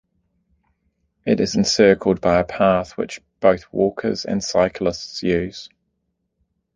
It is encircled by a path which both walkers and cyclists use.